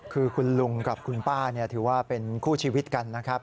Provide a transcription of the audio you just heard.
คือคุณลุงกับคุณป้าถือว่าเป็นคู่ชีวิตกันนะครับ